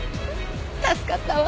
助かったわ。